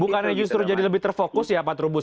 bukannya justru jadi lebih terfokus ya pak trubus